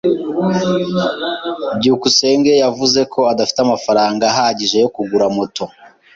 byukusenge yavuze ko adafite amafaranga ahagije yo kugura moto.